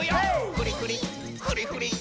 「フリフリフリフリ」